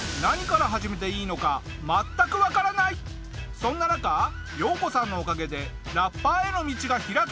そんな中ヨウコさんのおかげでラッパーへの道が開けるんだ！